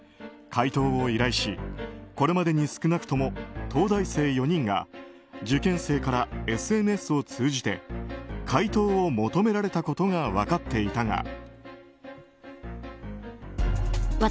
解答を依頼しこれまでに少なくとも東大生４人が受験生からＳＮＳを通じて解答を求められたことが分かっていたが。